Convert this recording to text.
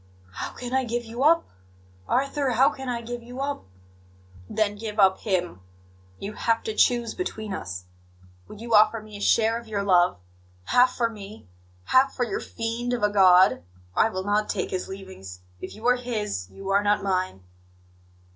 "How can I give you up? Arthur, how can I give you up?" "Then give up Him. You have to choose between us. Would you offer me a share of your love half for me, half for your fiend of a God? I will not take His leavings. If you are His, you are not mine."